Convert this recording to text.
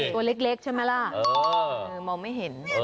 ตัวเล็กใช่ไหมล่ะมองไม่เห็น